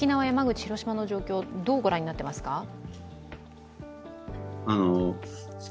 山口、広島の状況をどう御覧になっていますか？